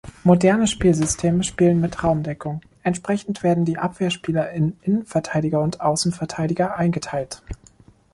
Moderne Spielsysteme spielen mit Raumdeckung, entsprechend werden die Abwehrspieler in Innenverteidiger und Außenverteidiger eingeteilt.